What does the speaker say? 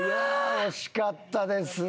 惜しかったですね。